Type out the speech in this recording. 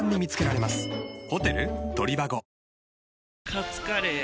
カツカレー？